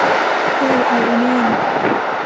ทะเลไอโอเนียน